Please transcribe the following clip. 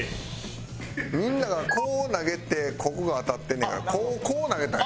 みんながこう投げてここが当たってんねんからこう投げたら。